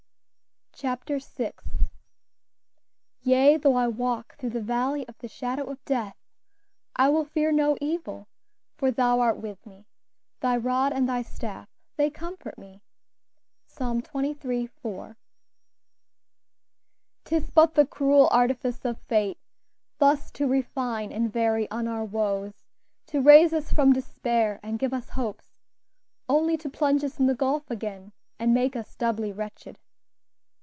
CHAPTER SIXTH "Yea, though I walk through the valley of the shadow of death, I will fear no evil; for thou art with me; thy rod and thy staff, they comfort me." Psalm xxiii. 4. "'Tis but the cruel artifice of fate, Thus to refine and vary on our woes, To raise us from despair and give us hopes, Only to plunge us in the gulf again, And make us doubly wretched."